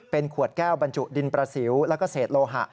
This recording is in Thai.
เป็นขวดแก้วบรรจุดินประสิวแล้วก็เศษโลหะ